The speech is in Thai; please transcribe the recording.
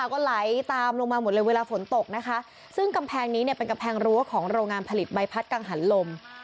ก็ไหลตามลงมาหมดเลยเวลาฝนตกนะคะซึ่งกำแพงนี้เนี่ยเป็นกำแพงรั้วของโรงงานผลิตใบพัดกังหันลม